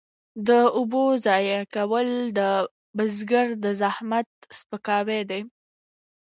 د اوبو ضایع کول د بزګر د زحمت سپکاوی دی.